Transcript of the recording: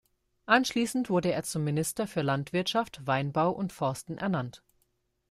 Anschließend wurde er zum Minister für Landwirtschaft, Weinbau und Forsten ernannt.